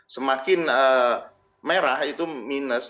semakin merah itu minus